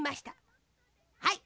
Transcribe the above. はい。